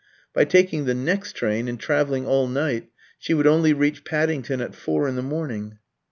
By taking the next train and travelling all night, she would only reach Paddington at four in the morning.